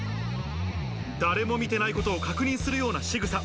誰も見てないことを確認するようなしぐさ。